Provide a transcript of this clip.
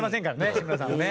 志村さんはね。